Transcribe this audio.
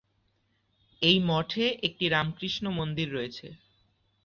এই মঠে একটি রামকৃষ্ণ মন্দির রয়েছে।